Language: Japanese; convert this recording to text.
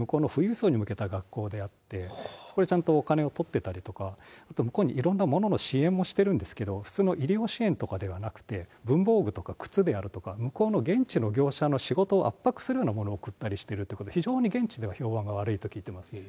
向こうで学校の建設とかもしてるんですけど、それは実は貧困層じゃなくて、向こうの富裕層に向けた学校であって、これちゃんとお金を取ってたりとか、あと向こうにいろんなものの支援もしてるんですけど、普通の医療支援とかではなくて、文房具とか、靴であるとか、向こうの現地の業者の仕事を圧迫するようなものを買ったりしてるということで、非常に現地では評判が悪いと聞いています。